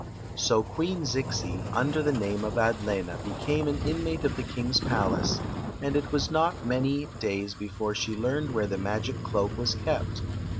So Queen Zixi, under the name of Adlena. became an mmate of die kings palace; and it . lot many days before she learned where the ma^,. , cloak was kept.